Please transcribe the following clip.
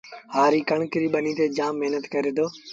هآريٚ ڪڻڪ ريٚ ٻنيٚ تي جآم مهنت ڪري دو